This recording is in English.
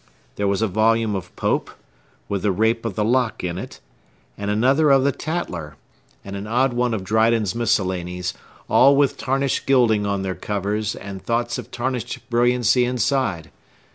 There was a volume of Pope, with the Rape of the Lock in it, and another of the Tatler, and an odd one of Dryden's Miscellanies, all with tarnished gilding on their covers, and thoughts of tarnished brilliancy inside.